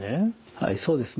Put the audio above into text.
はいそうですね。